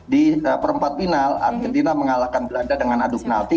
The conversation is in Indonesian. di perempat final argentina mengalahkan belanda dengan adu penalti